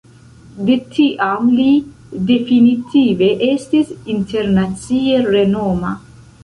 De tiam li definitive estis internacie renoma.